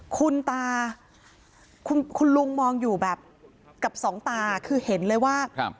คุณตาคุณลุงมองอยู่แบบกับสองตาคือเห็นเลยว่า